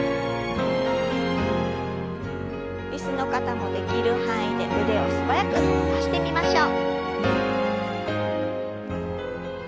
椅子の方もできる範囲で腕を素早く伸ばしてみましょう。